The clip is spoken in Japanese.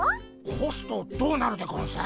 ほすとどうなるでゴンス？